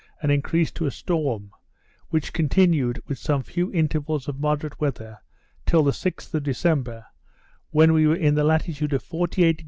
and increased to a storm, which continued, with some few intervals of moderate weather, till the 6th of December, when we were in the latitude of 48° 41' S.